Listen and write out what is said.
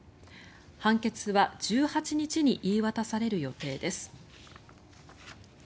判決は１８日に言い渡される予定です。